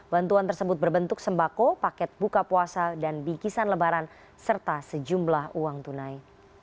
bantuan tersebut berbentuk sembako paket buka puasa dan bikisan lebaran serta sejumlah uang tunai